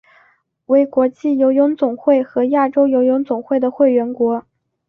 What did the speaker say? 为国际游泳总会和亚洲游泳总会的会员国。